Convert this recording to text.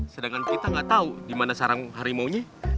sedangkan kita gak tau gimana sarang harimau nya